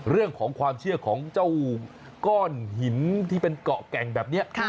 เรื่องของความเชื่อของเจ้าก้อนหินที่เป็นเกาะแก่งแบบนี้